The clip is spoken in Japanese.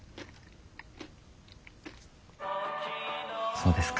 そうですか。